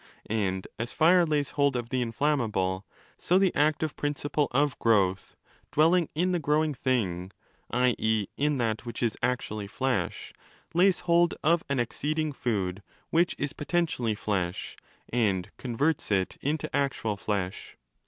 And as fire lays hold of the in flammable,? so the active principle of growth, dwelling in the growing thing (i.e. in that which is actually flesh), lays hold of an acceding food which is potentially flesh and converts it into actual flesh.